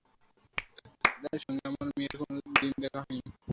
তার সঙ্গে আমার মেয়ের কোনো দিন দেখা হয় নি।